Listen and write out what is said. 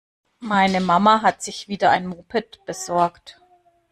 Meine Mama hat sich wieder ein Moped besorgt.